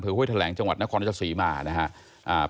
ห้วยแถลงจังหวัดนครราชสีมานะครับ